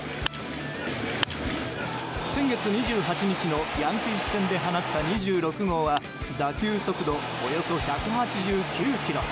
先月２８日のヤンキース戦で放った、２６号は打球速度およそ１８９キロ。